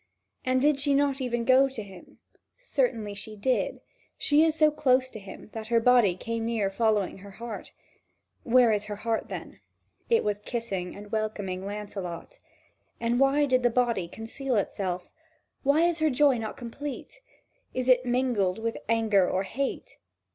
And did she not even go to him? Certainly she did; she is so close to him that her body came near following her heart. Where is her heart, then? It was kissing and welcoming Lancelot. And why did the body conceal itself? Why is not her joy complete? Is it mingled with anger or hate?